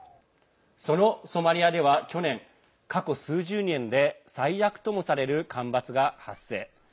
そのソマリアでは、去年過去数十年で最悪ともされる干ばつが発生。